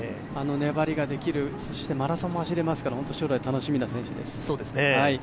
あの粘りができる、そしてマラソンも走れますから将来楽しみな選手です。